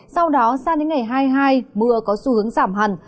sau đó sang đến ngày hai mươi hai mưa có xu hướng giảm hẳn